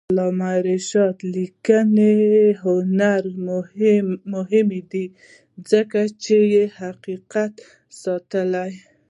د علامه رشاد لیکنی هنر مهم دی ځکه چې حقایق ساتي.